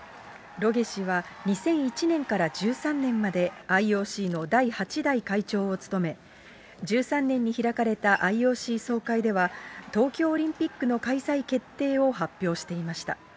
ロゲ氏は２００１年から１３年まで、ＩＯＣの第８代会長を務め、１３年に開かれたＩＯＣ総会では、東京オリンピックの開催決定を発表していました。